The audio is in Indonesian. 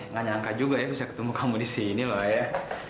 nggak nyangka juga ya bisa ketemu kamu di sini loh ya